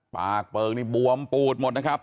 ปากเบิกบวมปูดหมดนะครับ